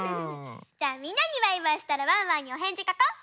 じゃあみんなにバイバイしたらワンワンにおへんじかこう。